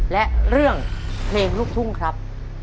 และเรื่องเพลงลูกทุ่งครับ